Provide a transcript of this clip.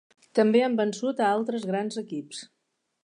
També han vençut a altres grans equips.